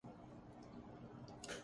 بہت سی دعائیں ذہن نشین کرنی پڑیں گی۔